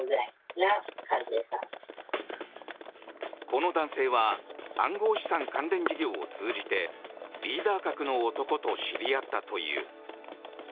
この男性は暗号資産関連事業を通じてリーダー格の男と知り合ったという。